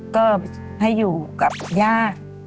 ก็ให้อยู่กับย่า